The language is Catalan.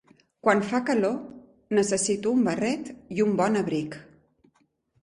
Quan fa calor necessito un barret i un bon abric.